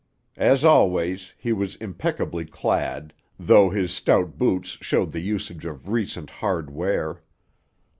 As always, he was impeccably clad, though his stout boots showed the usage of recent hard wear.